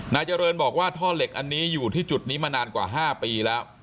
นายเจริญบอกว่าท่อเหล็กอยู่ที่จุดนี้ละ๕ปีแล้ว